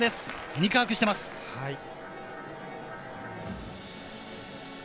肉薄してます。